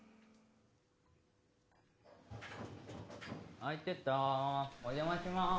開いてたお邪魔します